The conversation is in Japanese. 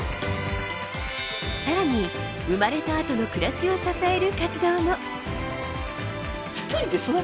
さらに、生まれたあとの暮らしを支える活動も。